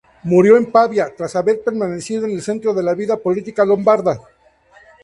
Murió en Pavía, tras haber permanecido en el centro de la vida política lombarda.